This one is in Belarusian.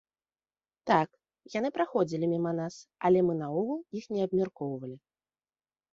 Так, яны праходзілі міма нас, але мы наогул іх не абмяркоўвалі.